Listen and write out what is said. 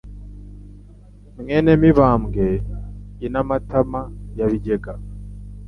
mwene Mibambwe I na Matama ya Bigega